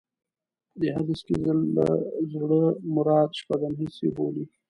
په دې حديث کې له زړه مراد شپږم حس يې بولي.